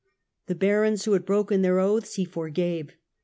The barons who had broken their oaths he forgave.